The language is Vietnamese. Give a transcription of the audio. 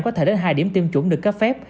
có thể đến hai điểm tiêm chủng được cấp phép